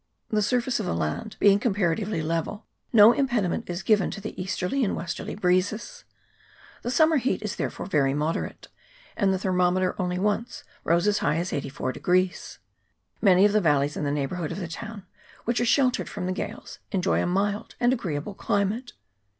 The surface of the land being com paratively level, no impediment is given to the east erly and westerly breezes ; the summer heat is there fore very moderate, and the thermometer only once rose as high as 84. Many of the valleys in the neighbourhood of the town, which are sheltered from the gales, enjoy a mild and agreeable climate.